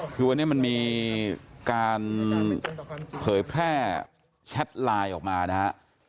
คือวันนี้มันมีการเผยแพร่แชทไลน์ออกมานะฮะ